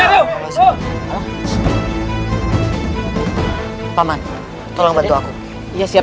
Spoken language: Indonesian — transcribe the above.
ayo kita ke rumahnya sendiri